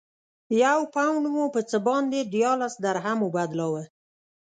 یو پونډ مو په څه باندې دیارلس درهمو بدلاوه.